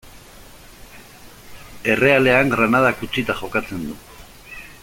Errealean Granadak utzita jokatzen du.